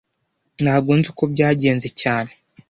Ntago nzi uko byagenze cyane